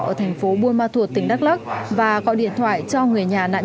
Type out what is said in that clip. ở thành phố buôn ma thuột tỉnh đắk lắc và gọi điện thoại cho người nhà nạn nhân